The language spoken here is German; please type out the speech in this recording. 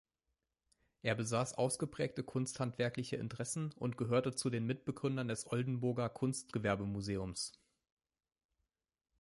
Er besaß ausgeprägte kunsthandwerkliche Interessen und gehörte zu den Mitbegründern des Oldenburger Kunstgewerbemuseums.